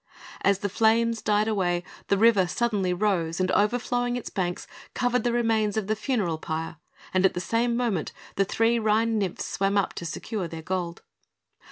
As the flames died away, the river suddenly rose, and overflowing its banks, covered the remains of the funeral pile; and at the same moment, the three Rhine nymphs swam up to secure their Gold.